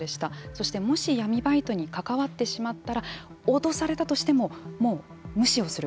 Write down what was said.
そして、もし闇バイトに関わってしまったら脅されたとしてももう無視をする。